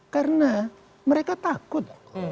karena mereka takut